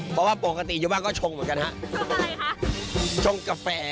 เพราะว่าปกติอยู่บ้างก็ช่องเหมือนกันครับ